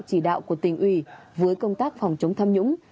chỉ đạo của tỉnh ủy với công tác phòng chống tham nhũng